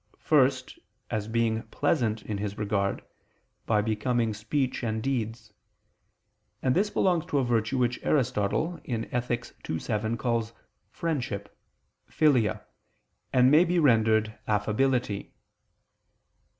First, as being pleasant in his regard, by becoming speech and deeds: and this belongs to a virtue which Aristotle (Ethic. ii, 7) calls "friendship" [*_philia_], and may be rendered "affability."